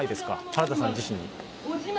原田さん自身に。